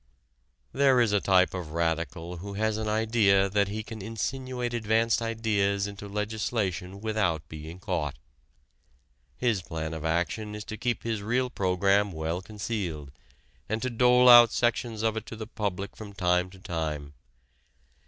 There is a type of radical who has an idea that he can insinuate advanced ideas into legislation without being caught. His plan of action is to keep his real program well concealed and to dole out sections of it to the public from time to time.